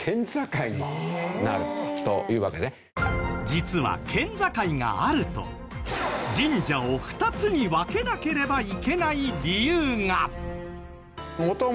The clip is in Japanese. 実は県境があると神社を２つに分けなければいけない理由が。